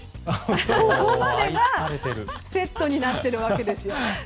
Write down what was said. ここまでがセットになっているわけですよ。